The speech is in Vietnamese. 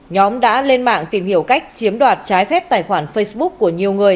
nhóm đã lên mạng tìm hiểu cách chiếm đoạt trái phép tài khoản facebook của nhiều người